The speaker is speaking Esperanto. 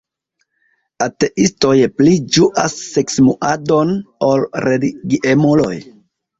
Ateistoj pli ĝuas seksumadon ol religiemuloj.